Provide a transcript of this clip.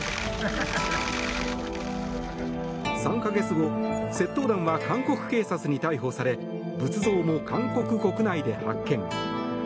３か月後窃盗団は韓国警察に逮捕され仏像も韓国国内で発見。